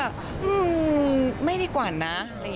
อืมไม่ดีกว่านะ